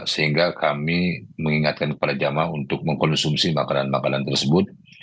sehingga kami mengingatkan kepada jamaah untuk mengkonsumsi makanan makanan tersebut